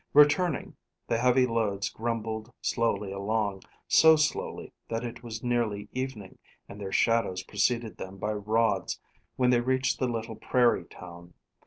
Returning, the heavy loads grumbled slowly along, so slowly that it was nearly evening, and their shadows preceded them by rods when they reached the little prairie town.